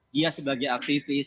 dia sebagai aktivis